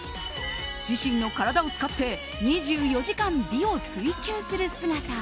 自身の体を使って２４時間美を追究する姿。